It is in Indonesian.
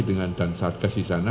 dengan dan satgas di sana